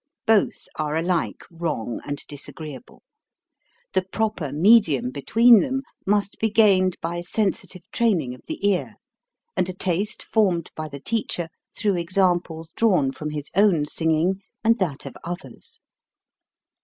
Both are alike wrong and disagreeable. The proper medium between them must be gained by sensitive training of the ear, and a taste formed by the teacher through examples 228 HOW TO SING drawn from his own singing and that of others.